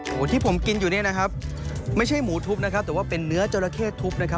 ที่ผมกินอยู่เนี่ยนะครับไม่ใช่หมูทุบนะครับแต่ว่าเป็นเนื้อจราเข้ทุบนะครับ